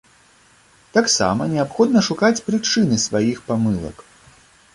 Таксама неабходна шукаць прычыны сваіх памылак.